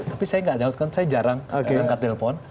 tapi saya enggak jawabkan saya jarang mengangkat telepon